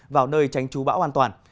vào nơi tránh chú bão an toàn